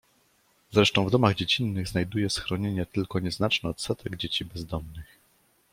"Zresztą w domach dziecinnych znajduje schronienie tylko nieznaczny odsetek dzieci bezdomnych."